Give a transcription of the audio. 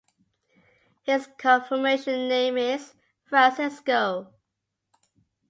His confirmation name is Francisco.